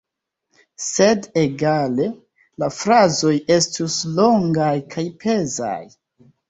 Sed egale, la frazoj estus longaj kaj pezaj.